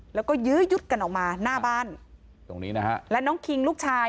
แล้วก็ยื้อยุดกันออกมาหน้าบ้านตรงนี้นะฮะและน้องคิงลูกชาย